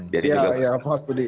ya ya pak budi